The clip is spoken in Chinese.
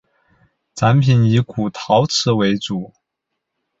展品以古陶瓷为主。